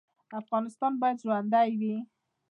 افغانستان باید ژوندی وي